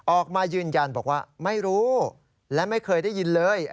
ออกมายืนยันบอกว่าไม่รู้และไม่เคยได้ยินเลย